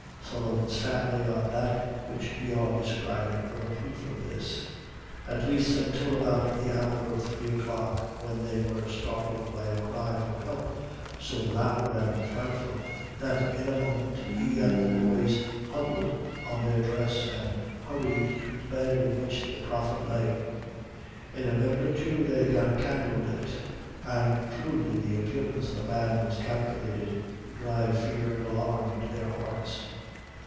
Sullivan's family, on that which we are describing, were a proof of this; at least until about the hour of three o'clock, when they were startled by a cry for help, so loud and frightful, that in a moment he and the boys huddled on their dress, and hurried to the bed in which the prophet lay. In a minute or two they got a candle lit; and truly the appearance of the man was calculated to drive fear and alarm into their hearts.